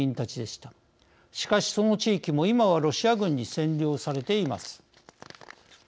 しかし、その地域も今はロシア軍に占領されています。